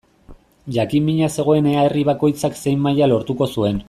Jakin-mina zegoen ea herri bakoitzak zein maila lortuko zuen.